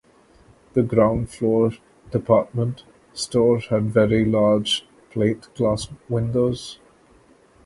The ground floor department store had very tall large plate glass windows.